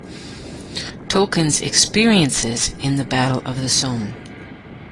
Tolkien’s experiences in the Battle of the Somme.